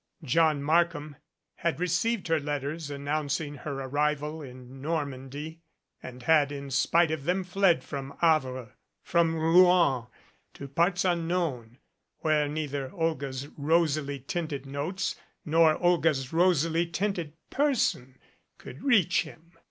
John Markham had received her letters announc ing her arrival in Normandy and had in spite of them fled from Havre, from Rouen, to parts unknown, where neither Olga's rosily tinted notes nor Olga's rosily tinted person could reach him.